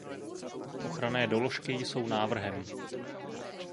Ochranné doložky jsou návrhem.